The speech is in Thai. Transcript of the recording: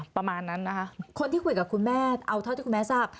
ประมาณนั้นนะคะคนที่คุยกับคุณแม่เอาเท่าที่คุณแม่ทราบ